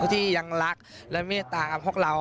ที่ยังรักและเมตตากับพวกเรา